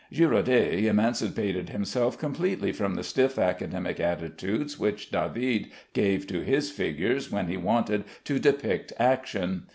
Girodet emancipated himself completely from the stiff academic attitudes which David gave to his figures when he wanted to depict action.